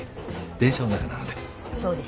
電車の中なので。